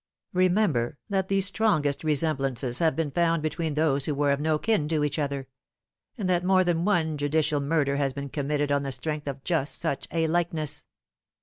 Remember, that the strongest resemblances have been found between those who were of no kin to each other ; and that more than one judicial murder has been committed on the strength of just such a likeness.